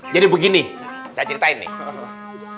jadi begini saya ceritain nih